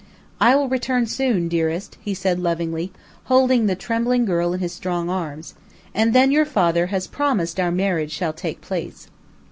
"I will return soon, dearest," he said lovingly, holding the trembling girl in his strong arms, "and then your father has promised our marriage shall take place."